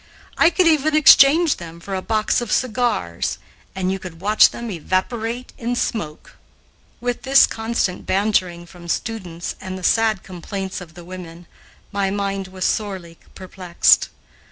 I could even exchange them for a box of cigars, and you could watch them evaporate in smoke." With this constant bantering from students and the sad complaints of the women, my mind was sorely perplexed.